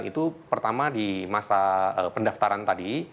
itu pertama di masa pendaftaran tadi